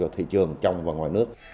thị trường trong và ngoài nước